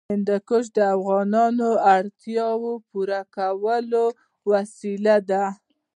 هندوکش د افغانانو د اړتیاوو د پوره کولو وسیله ده.